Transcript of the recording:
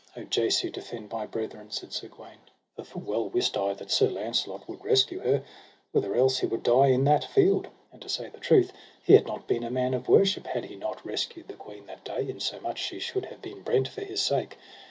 O Jesu defend my brethren, said Sir Gawaine, for full well wist I that Sir Launcelot would rescue her, outher else he would die in that field; and to say the truth he had not been a man of worship had he not rescued the queen that day, insomuch she should have been brent for his sake.